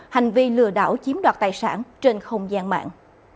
hành vi lừa đảo chiếm đoạt tài sản trên không gian mạng